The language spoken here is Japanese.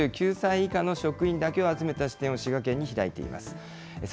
つまり３９歳以下の職員だけを集めた支店を滋賀県に開いています。